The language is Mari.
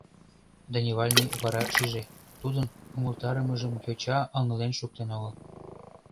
Дневальный вара шиже: тудын умылтарымыжым йоча ыҥлен шуктен огыл.